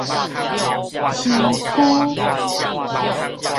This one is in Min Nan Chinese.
時區